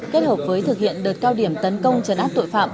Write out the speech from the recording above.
kết hợp với thực hiện đợt cao điểm tấn công trấn áp tội phạm